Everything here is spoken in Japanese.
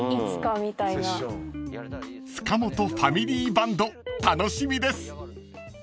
［塚本ファミリーバンド楽しみです］